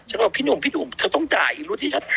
ฉันบอกพี่หนุ่มเธอต้องจ่ายอีกรูสที่ฉัน